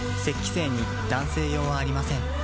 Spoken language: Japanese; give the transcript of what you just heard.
精に男性用はありません